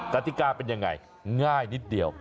กติกาเป็นยังไงง่ายนิดเดียว